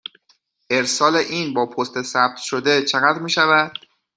ارسال این با پست ثبت شده چقدر می شود؟